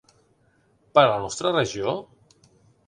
Per a la nostra regió?